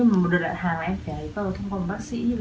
ừ ví dụ như là